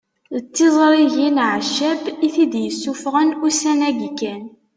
D tiẓrigin Ɛeccab i t-id-isuffɣen ussan-agi kan